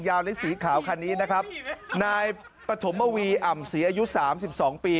ในสีขาวคันนี้นะครับนายปฐมวีอ่ำศรีอายุสามสิบสองปี